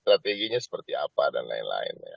strateginya seperti apa dan lain lain ya